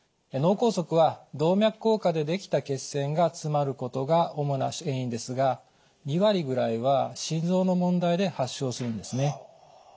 脳梗塞は動脈硬化でできた血栓が詰まることが主な原因ですが２割ぐらいは心臓の問題で発症するんですね。